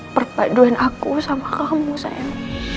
perpaduan aku sama kamu sayang